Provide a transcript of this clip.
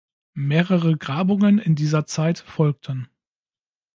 Mehrere Grabungen in dieser Zeit folgten.